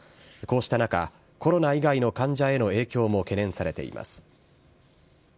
こうした中、コロナ以外の患者への影響も懸念されています。